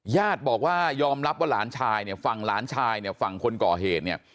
ญาติบอกว่ายอมรับว่าหลานชายเนี่ยฝั่งหลานชายเนี่ยฝั่งคนก่อเหตุเนี่ย